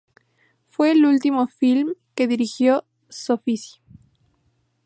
Fue el último film que dirigió Soffici.